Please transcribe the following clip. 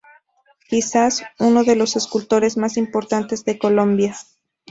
Quizás uno de los escultores más importantes de Colombia.